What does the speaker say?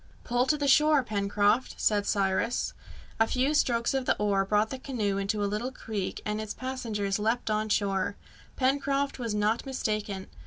"Pull to the shore, Pencroft!" said Cyrus. A few strokes of the oar brought the canoe into a little creek, and its passengers leapt on shore. Pencroft was not mistaken.